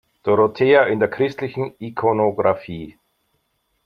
Dorothea in der christlichen Ikonographie.